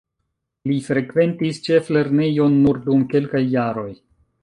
Li frekventis ĉeflernejon nur dum kelkaj jaroj.